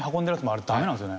あれダメなんですよね。